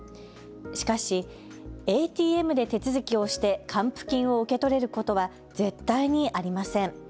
しかしＡＴＭで手続きをして還付金を受け取れることは絶対にありません。